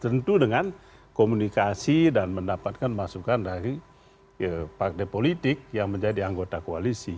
tentu dengan komunikasi dan mendapatkan masukan dari partai politik yang menjadi anggota koalisi